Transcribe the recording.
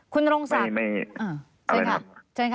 คุณตรงศักดิ์